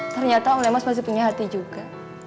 ternyata om lemos masih punya hati juga